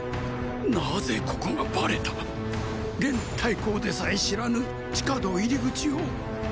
なぜここがバレた⁉現太后でさえ知らぬ地下道入口を。